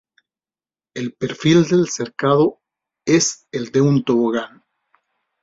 El perfil del Cercado es el de un tobogán.